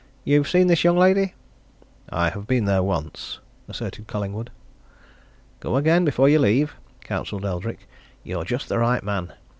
You've seen this young lady?" "I've been there once," asserted Collingwood. "Go again before you leave," counselled Eldrick. "You're just the right man.